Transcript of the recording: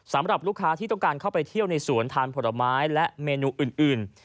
สำหรับลูกค้าที่ต้องการเข้าไปเที่ยวในสวนทานผลไม้และเมนูอื่น